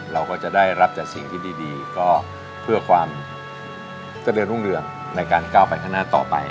เราก็จะได้รับแต่สิ่งที่ดีก็เพื่อความเจริญรุ่งเรืองในการก้าวไปข้างหน้าต่อไป